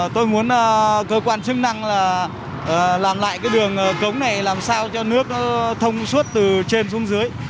tôi muốn cơ quan chức năng là làm lại cái đường cống này làm sao cho nước nó thông suốt từ trên xuống dưới